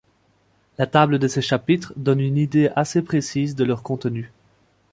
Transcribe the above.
La table de ces chapitres donne une idée assez précise de leur contenu.